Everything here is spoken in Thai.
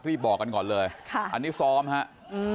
รีบบอกกันก่อนเลยอันนี้ซ้อมครับ